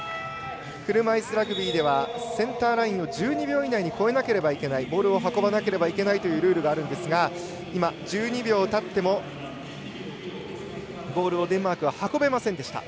車いすラグビーではセンターラインを１０秒以内に越えないといけないというボールを運ばなければいけないルールがあるんですが１２秒たってもボールをデンマークは運べませんでした。